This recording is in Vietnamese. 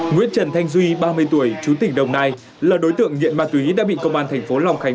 nguyễn trần thanh duy ba mươi tuổi chú tỉnh đồng nai là đối tượng nghiện ma túy đã bị công an thành phố long khánh